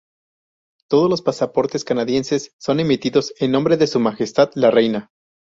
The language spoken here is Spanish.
Todos los pasaportes canadienses son emitidos en nombre de Su Majestad la Reina.